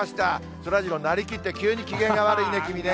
そらジローになりきって、急に機嫌が悪いね、君ね。